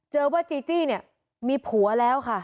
เจอว่าจีจี้เนี่ยมีผัวแล้วค่ะ